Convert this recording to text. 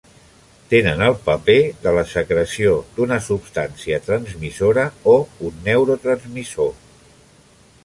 Tenen el paper de la secreció d'una substància transmissora o un neurotransmissor.